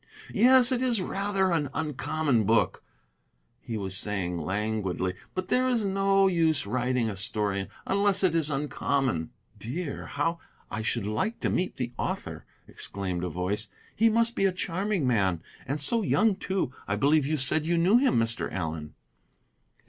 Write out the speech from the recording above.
"Yes, it is rather an uncommon book," he was saying languidly, "but there is no use writing a story unless it is uncommon." "Dear, how I should like to meet the author!" exclaimed a voice. "He must be a charming man, and so young, too! I believe you said you knew him, Mr. Allen."